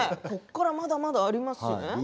ここからまだまだありますね。